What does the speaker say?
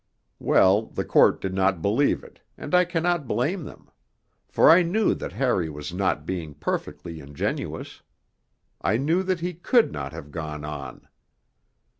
Well, the Court did not believe it, and I cannot blame them. For I knew that Harry was not being perfectly ingenuous. I knew that he could not have gone on....